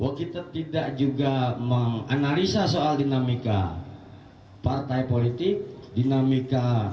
waktu kita tidak juga menganalisa soal dinamika partai politik